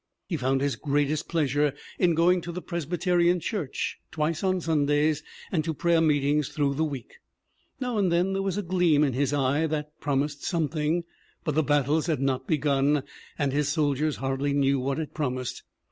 He found his greatest pleasure in going to the Presbyterian Church twice on Sundays and to prayer meetings through the week. Now and then there was a gleam in his eye that prom ised something, but the battles had not begun, and his soldiers hardly knew what it promised.